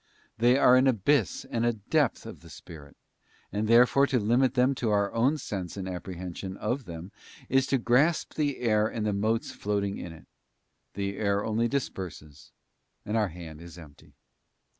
They are an abyss and a depth of the Spirit, and therefore to limit them to our own sense and apprehension of them, is to grasp the air and the motes floating in it; the air only disperses, and our hand is empty.